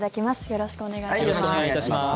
よろしくお願いします。